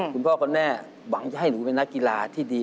คุณพ่อคุณแม่หวังจะให้หนูเป็นนักกีฬาที่ดี